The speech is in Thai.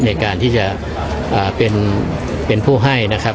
ในการที่จะเป็นผู้ให้นะครับ